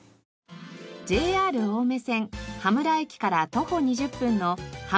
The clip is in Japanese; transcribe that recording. ＪＲ青梅線羽村駅から徒歩２０分の羽村市動物公園。